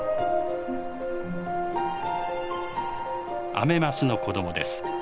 アメマスの子供です。